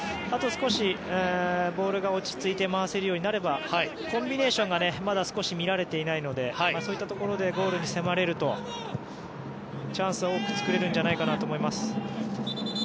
あと少し、ボールが落ち着いて回せるようになればコンビネーションがまだ少し見られていないのでそういったところでゴールに迫れるとチャンスを多く作れるんじゃないかなと思います。